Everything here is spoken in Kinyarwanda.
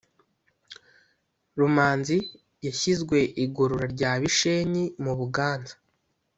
rumanzi yashyizwe igorora rya bishenyi mu buganza,